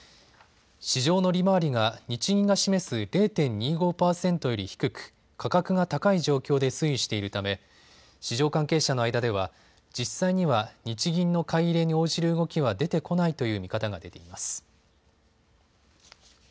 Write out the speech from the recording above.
市場の利回りが日銀が示す０．２５％より低く価格が高い状況で推移しているため市場関係者の間では実際には日銀の買い入れに応じる動きは出てこないという見方が出ています。